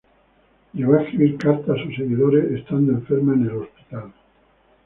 Llegó a escribir cartas a sus seguidores estando enferma en el hospital.